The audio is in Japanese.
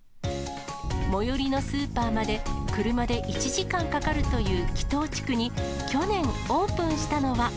最寄りのスーパーまで車で１時間かかるという木頭地区に、去年オープンしたのは。